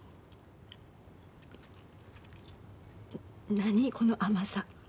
何この甘さ。